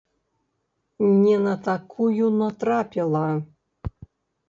Не на такую натрапіла!